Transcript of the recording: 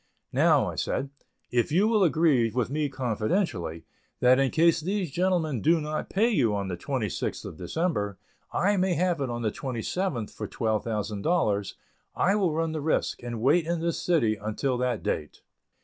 "Now," said I, "if you will agree with me confidentially, that in case these gentlemen do not pay you on the 26th of December, I may have it on the 27th for $12,000, I will run the risk, and wait in this city until that date."